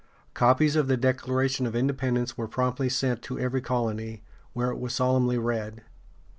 ] Copies of the Declaration of Independence were promptly sent to every colony, where it was solemnly read.